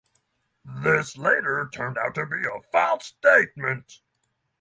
This later turned out to be a false statement.